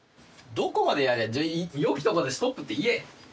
どこまでやれじゃ良きところでストップって言え！